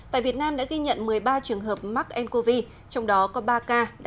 tại việt nam đã ghi nhận một mươi ba trường hợp mắc ncov trong đó có ba ca đã điều trị khỏi và xuất viện